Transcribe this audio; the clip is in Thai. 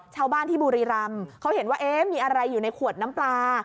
ชาวบ้านที่บุรีรำเขาเห็นว่าเอ๊ะมีอะไรอยู่ในขวดน้ำปลา